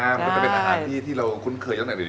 มันก็จะเป็นอาหารที่เราคุ้นเคยอยู่แล้ว